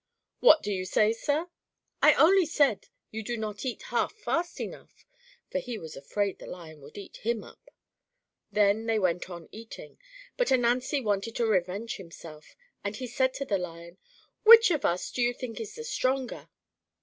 "What do you say, sir?" "I only said you do not eat half fast enough," for he was afraid the Lion would eat him up. Then they went on eating, but Ananzi wanted to revenge himself, and he said to the Lion, "Which of us do you think is the stronger?"